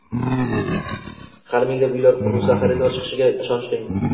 Hali minglab uylar qurilsa, xaridor chiqishiga ishonish qiyin.